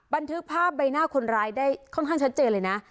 บันทึกภาพใบหน้าคนร้ายได้ค่อนข้างชัดเจนเลยนะ